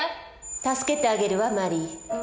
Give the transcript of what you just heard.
助けてあげるわマリー。